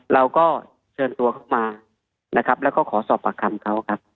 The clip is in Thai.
เราก็เชิญตัวเขามานะครับแล้วก็ขอสอบปากคำเขาครับ